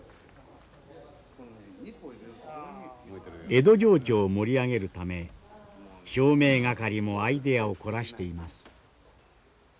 江戸情緒を盛り上げるため照明係もアイデアを凝らしています。